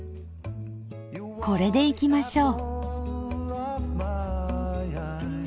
これでいきましょう。